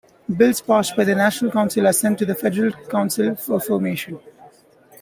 Bills passed by the National Council are sent to the Federal Council for affirmation.